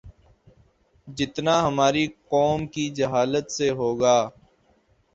جتنا ہماری قوم کی جہالت سے ہو گا